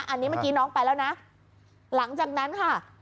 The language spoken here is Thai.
อันนี้เมื่อกี้น้องไปแล้วนะหลังจากนั้นค่ะ